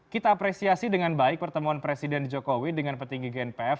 kita apresiasi dengan baik pertemuan presiden jokowi dengan petinggi gnpf